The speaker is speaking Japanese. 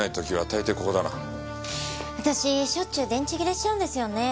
私しょっちゅう電池切れしちゃうんですよね。